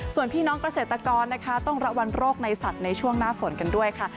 ส่วนพี่น้องเกษตรกรนะคะต้องระวังโรคในสัตว์ในช่วงหน้าฝนกันด้วยค่ะ